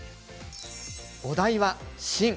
お題は「新」。